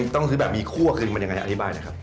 ต้องซื้อแบบมีคั่วคือมันยังไงอธิบายหน่อยครับ